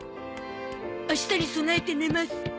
明日に備えて寝ます。